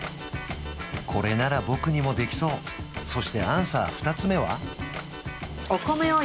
これなら僕にもできそうそしてアンサー２つ目は？